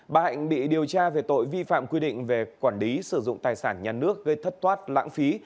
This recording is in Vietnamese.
bà hạnh bị điều tra về tội vi phạm quy định về quản lý sử dụng tài sản nhà nước gây thất thoát lãng phí